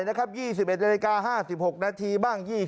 ๒๑นาฬิกาห้าสิบหกนาทีบ้าง